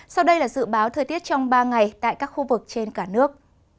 sau đây là dự báo thời tiết trong ba ngày tại các khu vực trên cả nước